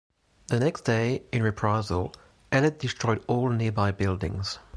The next day, in reprisal, Ellet destroyed all nearby buildings.